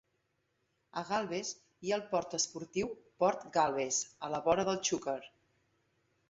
A Galbes hi ha el port esportiu Port Galbes, a la vora del Xúquer.